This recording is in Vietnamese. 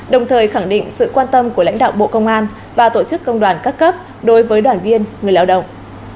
đồng thời khẳng định sự quan tâm của lãnh đạo bộ công an và tổ chức công đoàn các cấp đối với đoàn viên người lao động